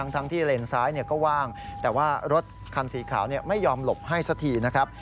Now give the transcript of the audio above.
ทั้งที่เลนซ้ายก็ว่างแต่ว่ารถคันสีขาวไม่ยอมหลบให้สักทีนะครับ